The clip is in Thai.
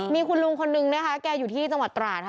มีคุณลุงคนนึงนะคะแกอยู่ที่จังหวัดตราดค่ะ